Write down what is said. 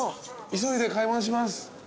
急いで買い物します。